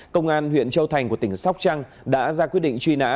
công an huyện châu thành của tỉnh sóc trăng đã ra quyết định truy nã